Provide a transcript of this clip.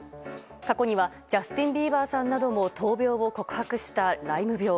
過去にはジャスティン・ビーバーさんなども闘病を告白したライム病。